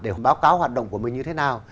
để báo cáo hoạt động của mình như thế nào